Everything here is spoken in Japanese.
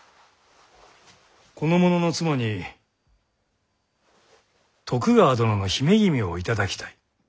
この者の妻に徳川殿の姫君を頂きたい。